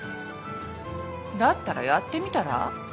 だったらやってみたら。